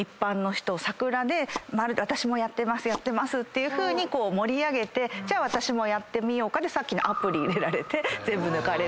サクラで「やってます」「やってます」っていうふうに盛り上げて「じゃあ私も」でさっきのアプリ入れられて全部抜かれる。